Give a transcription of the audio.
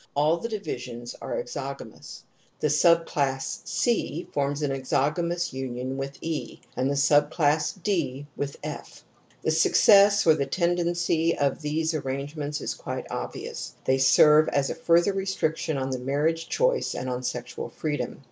All the divisions are exogamous '. The subclass c forms an exogamous unit with e, and the sub class d with f . The success or the tendency of these arrangements is quite obvious ; they serve as a further restriction on the marriage choicej and on sexual freedom.